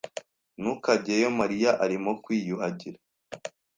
Ntukajyeyo. Mariya arimo kwiyuhagira.